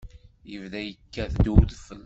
Yebda yekkat-d udfel.